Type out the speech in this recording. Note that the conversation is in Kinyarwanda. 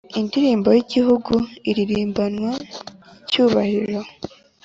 Indirimbo y Igihugu iririmbanwa icyubahiro